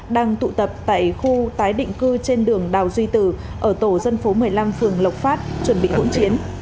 đang tụ tập tại khu tái định cư trên đường đào duy tử ở tổ dân phố một mươi năm phường lộc phát chuẩn bị hỗn chiến